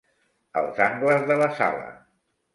Els angles de la sala.